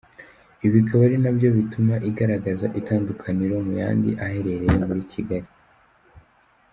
ibi bikaba ari nabyo bituma igaragaza itandukaniro mu yandi aherereye muri Kigali.